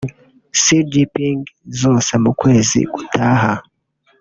Xi Jinping zose mu kwezi gutaha